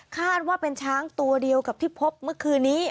คาดว่าเป็นช้างตัวเดียวกับที่พบเมื่อคืนนี้